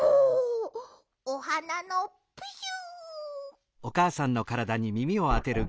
おはなのプシュ。